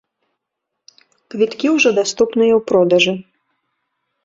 Квіткі ўжо даступныя ў продажы.